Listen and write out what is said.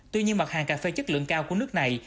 tuy nhiên mặt hàng cà phê chất lượng cao của nước này